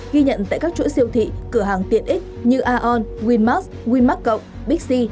ghi nhận tại các chuỗi siêu thị cửa hàng tiện ích như aon winmax winmax big c